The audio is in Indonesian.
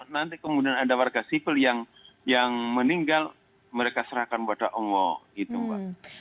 nanti kemudian ada warga sipil yang meninggal mereka serahkan kepada allah